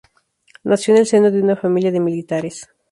Nació en el seno de una familia de militares.